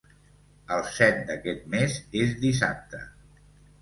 El set d'aquest mes és dissabte.